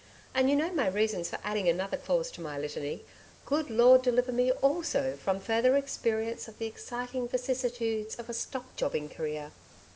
And you know my reasons for adding another clause to my litany. Good Lord deliver me also from further experience of the exciting vicissitudes of a stock jobbing career!